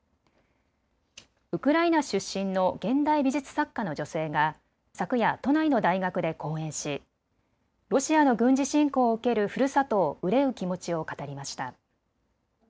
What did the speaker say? ウクライナ出身の現代美術作家の女性が昨夜、都内の大学で講演しロシアの軍事侵攻を受けるふるさとを憂う気持ちを語りました。